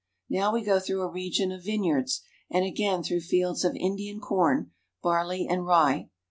Now we go through a re gion of vineyards, and again through fields of Indian corn, barley, and rye.